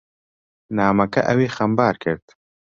نامەکە ئەوی خەمبار کرد.